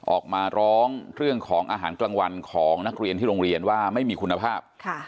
ออกมาร้องเรื่องของอาหารกลางวันของนักเรียนที่โรงเรียนว่าไม่มีคุณภาพ